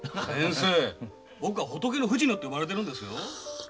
先生僕は仏の藤野って呼ばれてるんですよ。